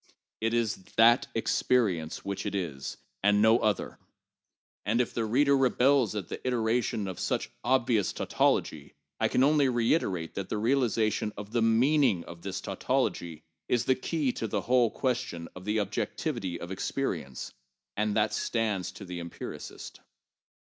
It is that experi ence which it is, and no other. And if the reader rebels at the itera tion of such obvious tautology, I can only reiterate that the realiza tion of the meaning of this tautology is the key to the whole question of the objectivity of experience, as that stands to the empiricist.